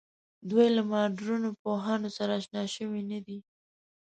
دوی له مډرنو پوهنو سره آشنا شوې نه ده.